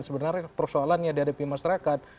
sebenarnya persoalannya di hadapi masyarakat